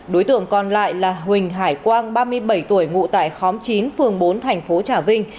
đối tượng còn lại là huỳnh hải quang ba mươi bảy tuổi ngụ tại khóm chín phường bốn thành phố trà vinh